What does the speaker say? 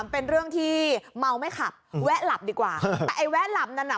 เป็นเรื่องที่เมาไม่ขับแวะหลับดีกว่าแต่ไอ้แวะหลับนั้นน่ะ